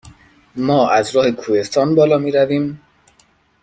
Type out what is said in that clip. ما از راه کوهستان بالا می رویم؟